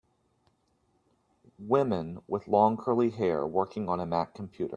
Women with long curly hair working on a mac computer.